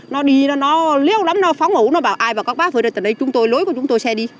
nó đi nó liêu lắm nó phóng ngủ nó bảo ai bảo các bác phơi thóc này chúng tôi lối của chúng tôi xe đi